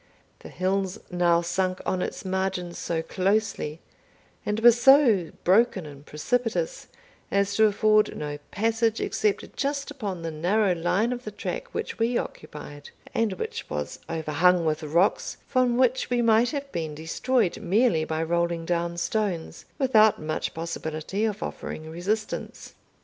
The hills now sunk on its margin so closely, and were so broken and precipitous, as to afford no passage except just upon the narrow line of the track which we occupied, and which was overhung with rocks, from which we might have been destroyed merely by rolling down stones, without much possibility of offering resistance.